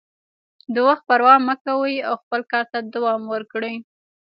د وخت پروا مه کوئ او خپل کار ته دوام ورکړئ.